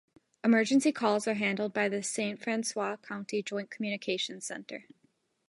Emergency calls are handled by the Saint Francois County Joint Communications Center.